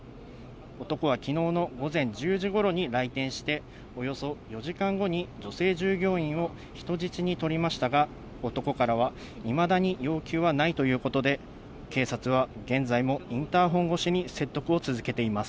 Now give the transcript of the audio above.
男はきのうの午前１０時ごろに来店して、およそ４時間後に女性従業員を人質に取りましたが、男からはいまだに要求はないということで、警察は現在も、インターホン越しに説得を続けています。